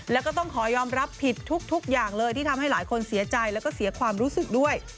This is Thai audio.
แล้วก็ต้องขอยอมรับผิดทุกอย่างเลยที่ทำให้หลายคนเสียใจแล้วก็เสียความรู้สึกด้วย